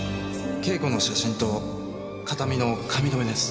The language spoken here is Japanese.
慶子の写真と形見の髪留めです。